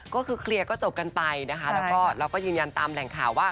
ก็คือเคลียร์ก็จบกันไปนะคะแล้วก็เราก็ยืนยันตามแหล่งข่าวว่า